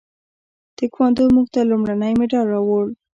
تکواندو موږ ته لومړنی مډال راوړ.